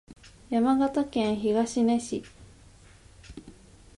山形県東根市